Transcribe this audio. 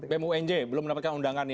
bem unj belum mendapatkan undangan